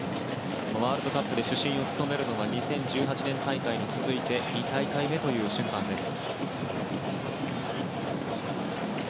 ワールドカップで主審を務めるのは２０１８年大会に続いて２大会目という審判です。